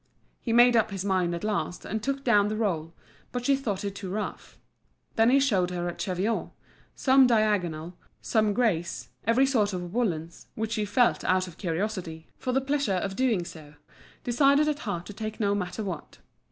He made up his mind at last, and took down the roll, but she thought it too rough. Then he showed her a cheviot, some diagonal, some greys, every sort of woollens, which she felt out of curiosity, for the pleasure of doing so, decided at heart to take no matter what.